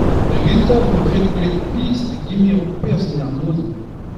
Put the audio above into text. da gentañ e vo ret gwelet piz a gemero perzh en arnodenn.